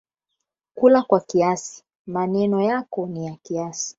Kula kwa kiasi…Maneno yako ni ya kiasi